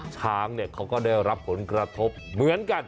ช้างก็ได้รับผลกระทบเหมือนกัน